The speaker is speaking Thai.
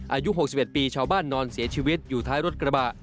อายุ๖๑ปีชาวบ้านนอนเสียชีวิตอยู่ท้ายรถกระบะ